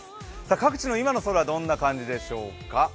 各地の今の空、どんな感じでしょうか？